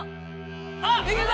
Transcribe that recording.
あっ行けた！